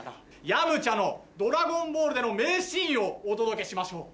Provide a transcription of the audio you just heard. ヤムチャの『ドラゴンボール』での名シーンをお届けしましょう。